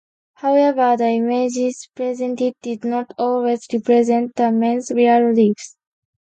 However, the images presented did not always represent the men's real lives.